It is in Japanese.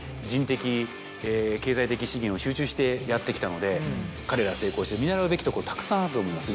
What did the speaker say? してやってきたので彼らは成功して見習うべきところたくさんあると思います。